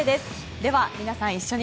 では、皆さん一緒に。